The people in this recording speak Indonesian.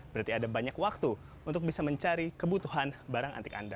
berarti ada banyak waktu untuk bisa mencari kebutuhan barang antik anda